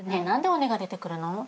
何で尾根が出てくるの？